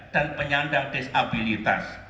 dan penyandang disabilitas